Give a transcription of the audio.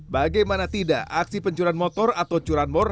bagaimana tidak aksi pencurian motor atau curanmor